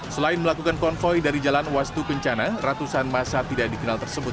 selain melakukan konvoy dari jalan wastu kencana ratusan masa tidak dikenal tersebut